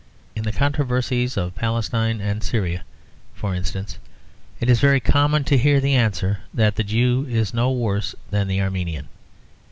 In the controversies of Palestine and Syria, for instance, it is very common to hear the answer that the Jew is no worse than the Armenian.